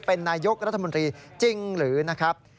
เป็นนายกรัฐมนตรีจริงหรือนะครับ